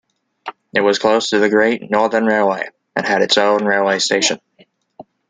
It was close to the Great Northern Railway and had its own railway station.